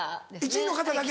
１位の方だけ。